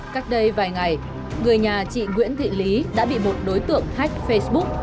các đây vài ngày người nhà chị nguyễn thị lý đã bị một đối tượng hack facebook